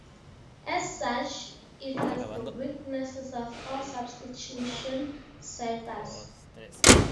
As such, it has the weaknesses of all substitution ciphers.